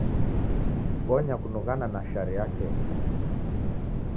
Bonya kunughana na sheria ya Kenya.